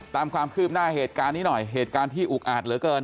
ตามความคืบหน้าเหตุการณ์นี้หน่อยเหตุการณ์ที่อุกอาจเหลือเกิน